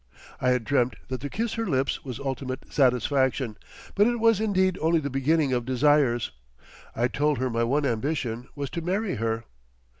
I had dreamt that to kiss her lips was ultimate satisfaction. But it was indeed only the beginning of desires. I told her my one ambition was to marry her.